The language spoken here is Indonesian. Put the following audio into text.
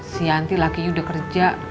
si yanti laki udah kerja